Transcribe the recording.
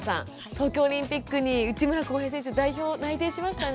東京オリンピックに内村航平選手代表内定しましたね。